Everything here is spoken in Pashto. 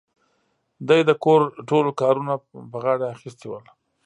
دې د کور ټول کارونه په غاړه اخيستي ول.